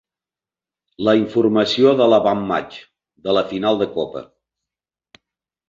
La informació de l'avantmatx de la final de copa.